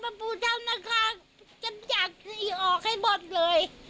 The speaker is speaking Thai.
พ่อปู่นาคาจะจับอีกออกให้หมดเลย